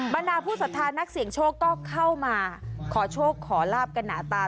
บรรดาผู้สัทธานักเสี่ยงโชคก็เข้ามาขอโชคขอลาบกันหนาตา